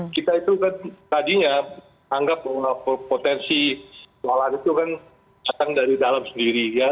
kita itu kan tadinya anggap potensi soalan itu kan datang dari dalam sendiri ya